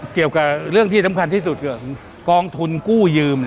เกี่ยวกับเรื่องที่สำคัญที่สุดคือกองทุนกู้ยืม